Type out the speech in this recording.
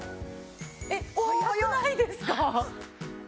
えっ早くないですか？